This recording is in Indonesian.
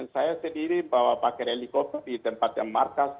saya sendiri bawa pakai helikopter di tempat yang markas